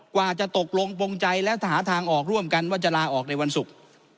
กว่าจะตกลงปงใจและหาทางออกร่วมกันว่าจะลาออกในวันศุกร์